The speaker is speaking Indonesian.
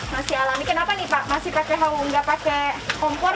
masih alami kenapa nih pak masih nggak pakai kompor